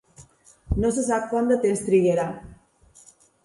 No se sap quant de temps trigarà.